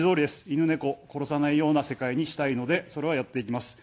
犬猫を殺さないような世界にしたいので、それは、やっていきます。